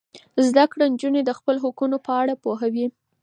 زده کړه نجونې د خپل حقونو په اړه پوهوي.